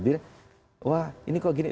bilang wah ini kok gini